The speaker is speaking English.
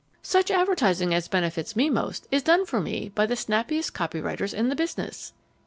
Such advertising as benefits me most is done for me by the snappiest copywriters in the business."